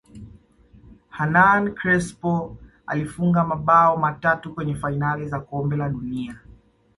hernan crespo alifunga mabao matatu kwenye fainali za kombe la dunia